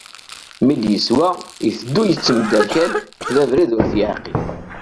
Mi d-yeswa, iteddu yettemderkal, d abrid ur t-yeɛqil.